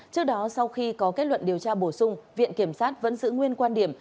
trước đó sau khi có kết luận điều tra bổ sung viện kiểm sát vẫn giữ nguyên quan điểm